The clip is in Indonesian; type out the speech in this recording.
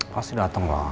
pasti dateng loh